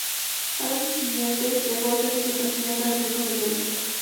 Al año siguiente, llegó a ser Vicepresidenta del grupo socialista.